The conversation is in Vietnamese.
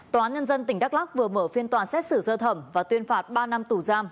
tòa án nhân dân tỉnh đắk lắc vừa mở phiên tòa xét xử sơ thẩm và tuyên phạt ba năm tù giam